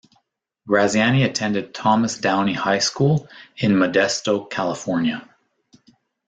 Graziani attended Thomas Downey High School in Modesto, California.